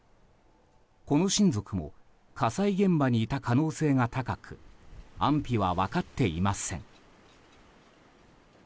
この親族も火災現場にいた可能性が高く安否は分かっていません。